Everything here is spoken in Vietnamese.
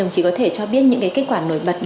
anh cho biết lý do sao mà mình